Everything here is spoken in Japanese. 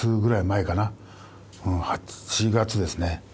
うん８月ですね。